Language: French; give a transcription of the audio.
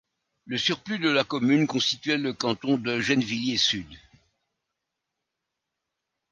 Le surplus de la commune constituait le canton de Gennevilliers-Sud.